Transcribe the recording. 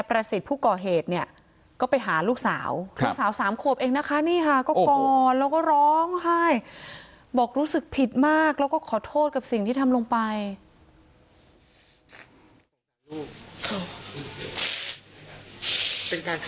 เป็นการทำครั้งแรกใช่ไหมค่ะพี่ค่ะมันเลยเป็นออกมาตั้งแต่นั้นครับ